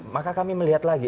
maka kami melihat lagi